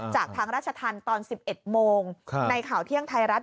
จากทางราชธรรมตอน๑๑โมงในข่าวเที่ยงไทยรัฐ